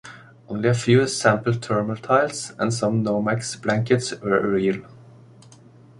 Only a few sample thermal tiles and some Nomex blankets were real.